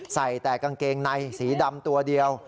ใส่แต่กางเกงในสีดำตัวเดียว